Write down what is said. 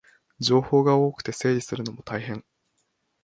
情報が多くて整理するのも大変